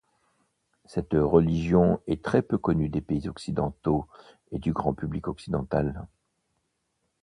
Cette religion est très peu connue des pays occidentaux, et du grand public occidental.